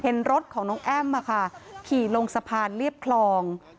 เห็นรถของน้องแอ้มขี่ลงสะพานเรียบคลอง